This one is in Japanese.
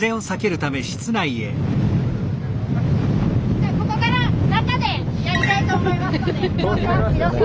じゃあここから中でやりたいと思いますので移動します。